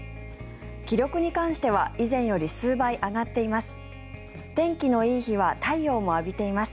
気力に関しては以前より数倍上がっています。